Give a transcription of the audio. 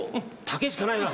竹しかないな。